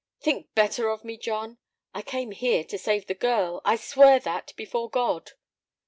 "Think better of me, John. I came here to save the girl: I swear that, before God."